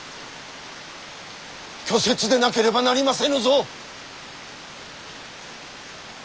虚説でなければなりませぬぞ！